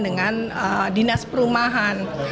dengan dinas perumahan